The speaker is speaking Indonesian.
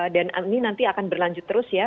ini nanti akan berlanjut terus ya